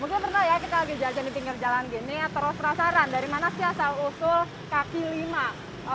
mungkin pernah ya kita lagi jajan di pinggir jalan gini terus penasaran dari mana sih asal usul kaki lima